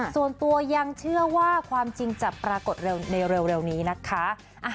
ส่วนตัวยังเชื่อว่าความจริงจะปรากฏเร็วในเร็วนี้นะคะ